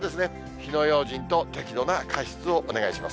火の用心と適度な加湿をお願いします。